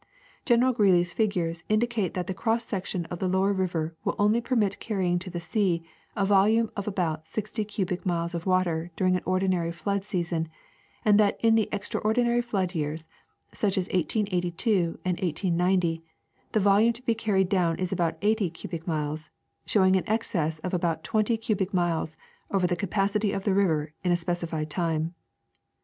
General Greely's figures indicate that the cross section of the lower river will only permit carrying to the sea a volume of about sixty cubic miles of water during an ordinary flood season, and that in the extraordinary flood years, such as 1882 and 1890, the volume to be carried down is about eighty cubic miles, showing an excess of about twenty cubic miles over the capacity of the river in a specified time.